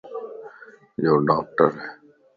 يو ڊاڪٽر ائي